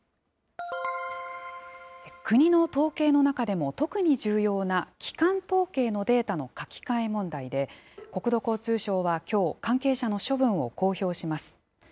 国の統計の中でも特に重要な基幹統計のデータの書き換え問題で、国土交通省はきょう、関係者の処分を公表します。